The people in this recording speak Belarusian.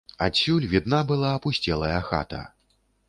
Адсюль відна была апусцелая хата.